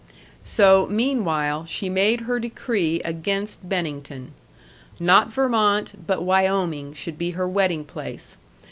So, meanwhile, she made her decree against Bennington. Not Vermont, but Wyoming, should be her wedding place.